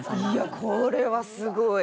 これはすごい。